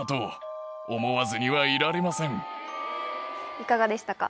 いかがでしたか？